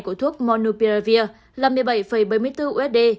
của thuốc monuprevir là một mươi bảy bảy mươi bốn usd